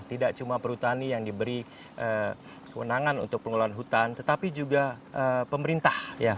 tidak cuma perhutani yang diberi kewenangan untuk pengelolaan hutan tetapi juga pemerintah